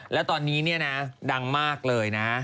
แล้วตอนนี้เนี่ยนะดังมากเลยนะ